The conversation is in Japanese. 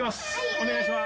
お願いします。